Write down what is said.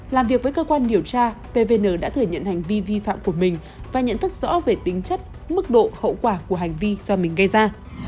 làm việc với cơ quan điều tra pvn đã thừa nhận hành vi vi phạm của mình và nhận thức rõ về tính chất mức độ hậu quả của hành vi do mình gây ra